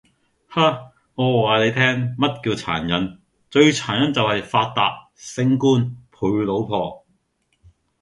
嘿!我話你聽咩叫殘忍，最殘忍就喺“發達，升官，陪老婆”!